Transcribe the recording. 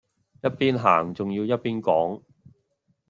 一邊行仲要一邊講